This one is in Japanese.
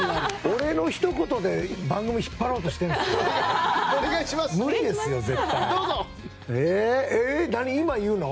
俺のひと言で番組引っ張ろうとしてるの？